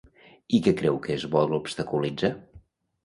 I què creu que es vol obstaculitzar?